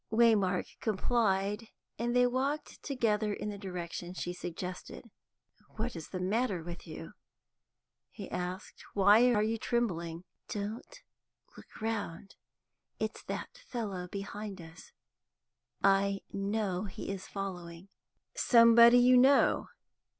Waymark complied, and they walked together in the direction she suggested. "What is the matter with you?" he asked. "Why are you trembling?" "Don't look round. It's that fellow behind us; I know he is following." "Somebody you know?"